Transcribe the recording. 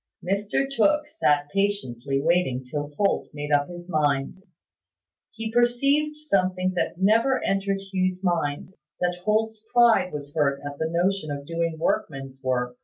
Mr Tooke sat patiently waiting till Holt had made up his mind. He perceived something that never entered Hugh's mind: that Holt's pride was hurt at the notion of doing workman's work.